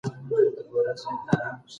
پاڼه باید خپله ونه پرې نه ږدي.